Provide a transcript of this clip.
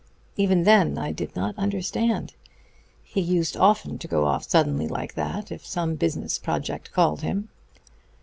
Even then I did not understand. He used often to go off suddenly like that, if some business project called him.